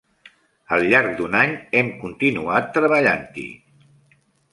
Al llarg d'un any hem continuat treballant-hi.